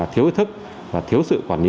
thiếu ý thức và thiếu sự quản lý